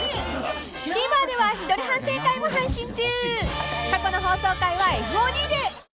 ［ＴＶｅｒでは一人反省会も配信中］